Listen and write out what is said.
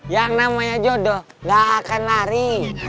yang namanya jodoh gak akan lari